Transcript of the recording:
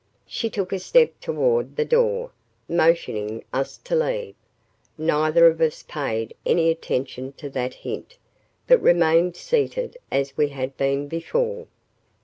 She took a step toward the door, motioning us to leave. Neither of us paid any attention to that hint, but remained seated as we had been before.